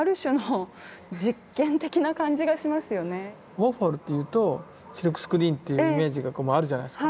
ウォーホルっていうとシルクスクリーンっていうイメージがあるじゃないですか。